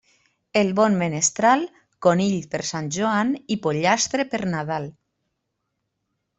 El bon menestral, conill per Sant Joan i pollastre per Nadal.